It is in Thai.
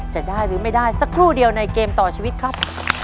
จะได้หรือไม่ได้สักครู่เดียวในเกมต่อชีวิตครับ